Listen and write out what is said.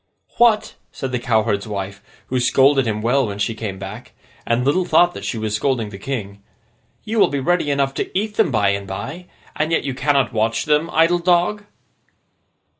'What!' said the cowherd's wife, who scolded him well when she came back, and little thought she was scolding the King, 'you will be ready enough to eat them by and by, and yet you cannot watch them, idle dog?